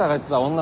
女？